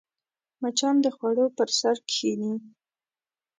مچان د خوړو پر سر کښېني